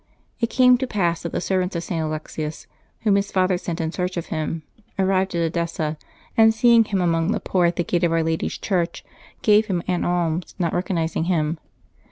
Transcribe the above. It came to pass that the serv ants of St. Alexius, whom his father sent in search of him, arrived at Edessa, and seeing him among the poor at the gate of Our Lady's church, gave him an alms, not recognizing him.